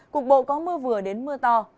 cục bộ có mưa vừa đến mưa to